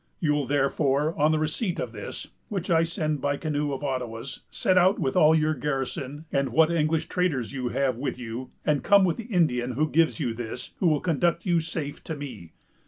You'll therefore, on the receipt of this, which I send by a canoe of Ottawas, set out with all your garrison, and what English traders you have with you, and come with the Indian who gives you this, who will conduct you safe to me.